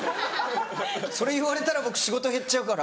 それ言われたら僕仕事減っちゃうから。